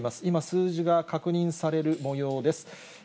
今数字が確認されるもようです。